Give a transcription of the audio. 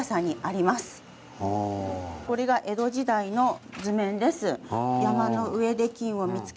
これが江戸時代の図面です。